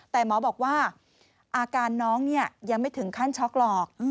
แต่หมอบอกว่าอาการน้องยังไม่ถึงขั้นช็อกหรอก